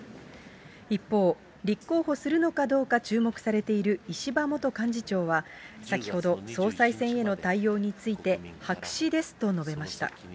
一方、立候補するのかどうか注目されている石破元幹事長は、先ほど総裁選への対応について、白紙ですと述べました。